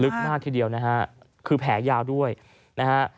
มากทีเดียวนะฮะคือแผลยาวด้วยนะฮะ